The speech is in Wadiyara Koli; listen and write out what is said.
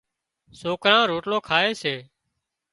سوڪران روٽلو کائي سي